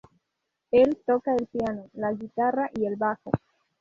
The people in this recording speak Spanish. Él toca el piano, la guitarra y el bajo.